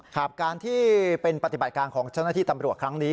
ครับการที่เป็นปฏิบัติการของเจ้าหน้าที่ตำรวจครั้งนี้